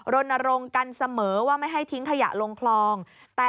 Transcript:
รณรงค์กันเสมอว่าไม่ให้ทิ้งขยะลงคลอง